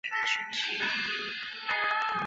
并在精武体育会厦门分会与英华中学教武术。